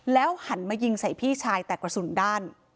หันมายิงใส่พี่ชายแต่กระสุนด้าน